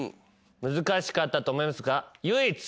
難しかったと思いますが。